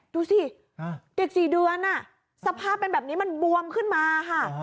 ดูสิเด็ก๔เดือนสภาพเป็นแบบนี้มันบวมขึ้นมาค่ะ